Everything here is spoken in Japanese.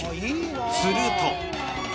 すると。